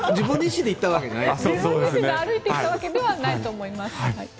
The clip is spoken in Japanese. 自分自身で歩いて行ったわけじゃないと思います。